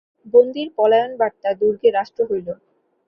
বন্দীর পলায়নবার্তা দুর্গে রাষ্ট্র হইল।